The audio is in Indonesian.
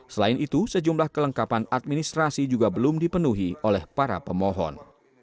selain itu sejumlah kelengkapan administrasi juga belum dipenuhi oleh para pemohon